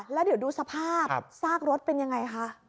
แล้วเดี๋ยวดูสภาพซากรถเป็นยังไงคะ